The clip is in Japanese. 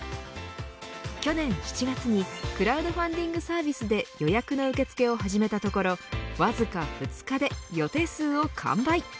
去年７月にクラウドファンディングサービスで予約の受け付けを始めたところわずか２日で予定数を完売。